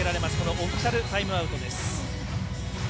オフィシャルタイムアウトです。